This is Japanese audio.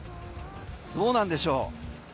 どうなんでしょう。